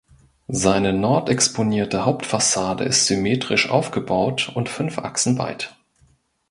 Seine nordexponierte Hauptfassade ist symmetrisch aufgebaut und fünf Achsen weit.